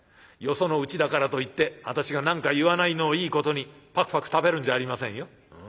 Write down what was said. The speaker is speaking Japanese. よそのうちだからといって私が何か言わないのをいいことにパクパク食べるんじゃありませんよ。